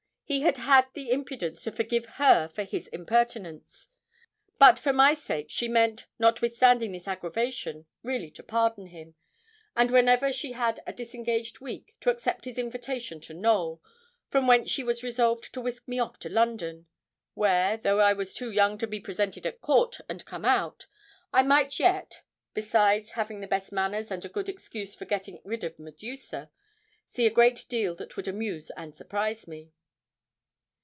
He had 'had the impudence to forgive her for his impertinence.' But for my sake she meant, notwithstanding this aggravation, really to pardon him; and whenever she had a disengaged week, to accept his invitation to Knowl, from whence she was resolved to whisk me off to London, where, though I was too young to be presented at Court and come out, I might yet besides having the best masters and a good excuse for getting rid of Medusa see a great deal that would amuse and surprise me.